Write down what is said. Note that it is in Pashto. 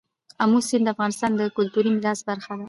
آمو سیند د افغانستان د کلتوري میراث برخه ده.